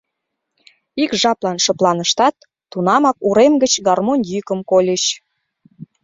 Ик жаплан шыпланыштат, тунамак урем гыч гармонь йӱкым кольыч.